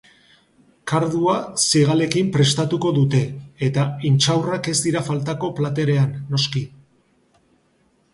Kardua zigalekin prestatuko dute, eta intxaurrak ez dira faltako platerean, noski.